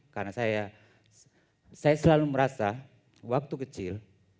karena saya selalu merasa waktu kecil